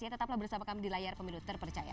tetaplah bersama kami di layar pemilu terpercaya